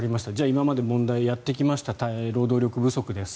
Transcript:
今まで問題、やってきました労働力不足です。